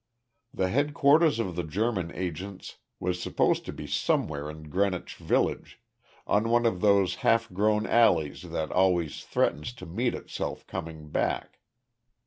The headquarters of the German agents was supposed to be somewhere in Greenwich Village, on one of those half grown alleys that always threatens to meet itself coming back.